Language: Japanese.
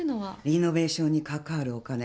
リノベーションに関わるお金